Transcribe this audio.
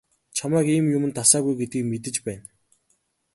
Чамайг ийм юманд дасаагүй гэдгийг мэдэж байна.